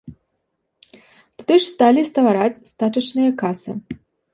Тады ж сталі ствараць стачачныя касы.